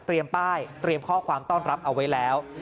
ป้ายเตรียมข้อความต้อนรับเอาไว้แล้ว